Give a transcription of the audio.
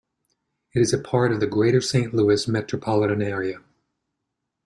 It is part of Greater Saint Louis metropolitan area.